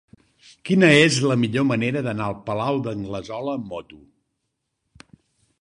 Quina és la millor manera d'anar al Palau d'Anglesola amb moto?